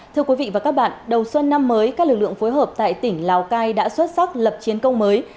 thưa quý vị và các bạn đầu xuân năm mới các lực lượng phối hợp tại tỉnh lào cai đã xuất sắc lập chiến công mới